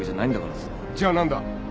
じゃあ何だ。